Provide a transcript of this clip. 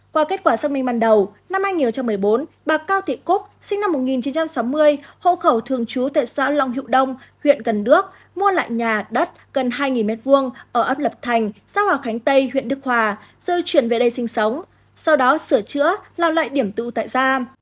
qua kết quả xác minh ban đầu năm hai nghìn một mươi bốn bà cao thị cúc sinh năm một nghìn chín trăm sáu mươi hộ khẩu thường trú tại xã long hữu đông huyện cần đước mua lại nhà đất gần hai m hai ở ấp lập thành xã hòa khánh tây huyện đức hòa rồi chuyển về đây sinh sống sau đó sửa chữa lao lại điểm tụ tại gia